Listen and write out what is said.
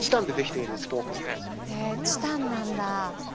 へえチタンなんだ。